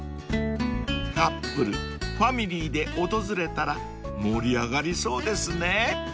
［カップルファミリーで訪れたら盛り上がりそうですね］